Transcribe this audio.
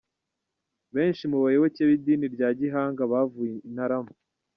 Benshi mu bayoboke b'idini rya Gihanga bavuye i Ntarama.